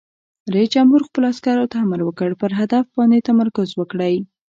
رئیس جمهور خپلو عسکرو ته امر وکړ؛ پر هدف باندې تمرکز وکړئ!